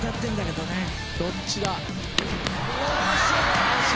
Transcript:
どっちだ。